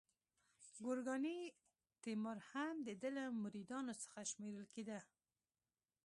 ګورکاني تیمور هم د ده له مریدانو څخه شمیرل کېده.